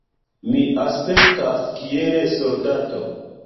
Mi aspektas kiel soldato.